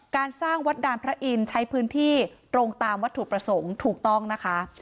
การสร้างวัดดานพระอินทร์ใช้พื้นที่ตรงตามวัตถุประสงค์ถูกต้องนะคะ